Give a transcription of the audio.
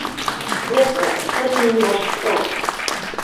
Кропка, астатняе не ваша справа!